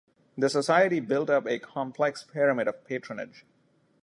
The Society built up a complex pyramid of patronage.